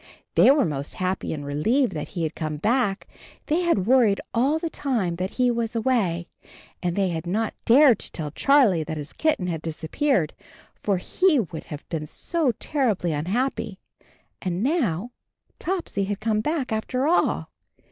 They were most happy and relieved that he had come back. They had worried all the time that he was away, and they had not dared to tell Charlie that his kitten had dis appeared, for he would have been so terribly un happy. And now Topsy had come back after all.